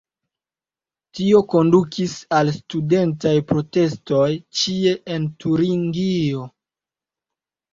Tio kondukis al studentaj protestoj ĉie en Turingio.